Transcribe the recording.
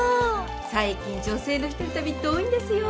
最近女性の一人旅って多いんですよ。